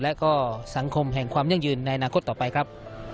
และก็สังคมแห่งความยั่งยืนในอนาคตต่อไปครับ